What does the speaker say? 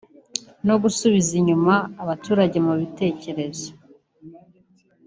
no gusubiza inyuma abaturage mu bitekerezo